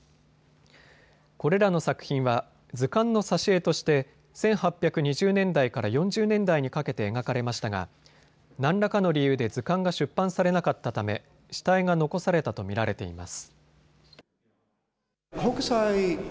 これらの作品は図鑑の挿絵として１８２０年代から４０年代にかけて描かれましたが何らかの理由で図鑑が出版されなかったため下絵が残されたと見られています。